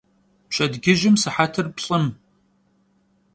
Pşedcıjım sıhetır plh'ım.